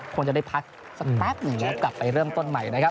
คงจะได้พักสักแป๊บหนึ่งแล้วกลับไปเริ่มต้นใหม่นะครับ